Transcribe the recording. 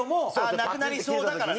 なくなりそうだからね。